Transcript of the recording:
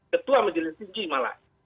ketua majelis tinggi malah